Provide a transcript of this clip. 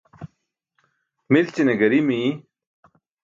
Milćine gari miy.